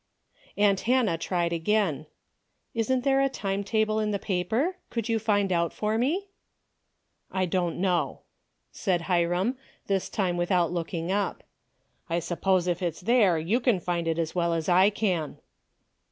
Aunt Hannah tried again. " Isn't there a time table in the paper ? Could you find out for me ?"" I don't know," said Hiram, this time with out looking up. " I suppose if it's there you can find it as well as I can."